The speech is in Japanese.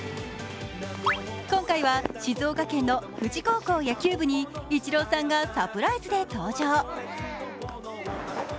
今回は静岡県の富士高校野球部にイチローさんがサプライズで登場。